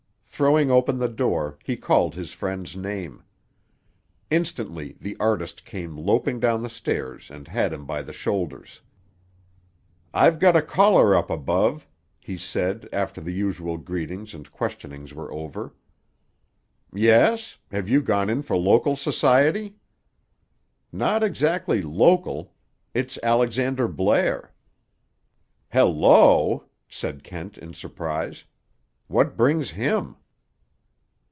Throwing open the door, he called his friend's name. Instantly the artist came loping down the stairs and had him by the shoulders. "I've got a caller up above," he said after the usual greetings and questionings were over. "Yes? Have you gone in for local society?" "Not exactly local. It's Alexander Blair." "Hel lo!" said Kent in surprise. "What brings him?"